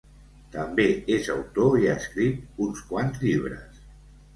També és autor i ha escrit uns quants llibres.